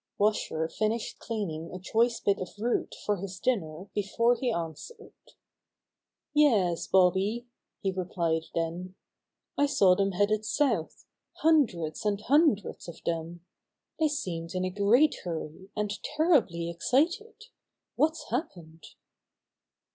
Washer finished cleaning a choice bit of a root for his dinner before he answered. "Yes, Bobby," he replied then. "I saw them headed south — hundreds and hundreds of them. They seemed in a great hurry, and terribly excited. What's happened?"